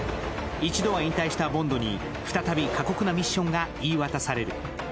一度は引退したボンドに再び過酷なミッションが言い渡される。